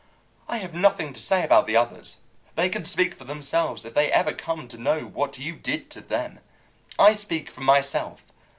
I have nothing to say about the others. They can speak for themselves if they ever come to know what you did to them. I speak for myself.